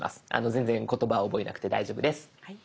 全然言葉覚えなくて大丈夫です。